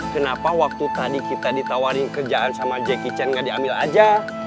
kenapa waktu tadi kita ditawarin kerjaan sama jack kitchen nggak diambil aja